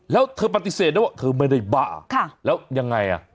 แล้วเธอปฏิเสธนะว่าเธอไม่ได้บ้าแล้วยังไงอ่ะ